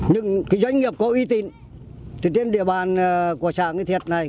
những doanh nghiệp có uy tín trên địa bàn của xã nghi thiệt này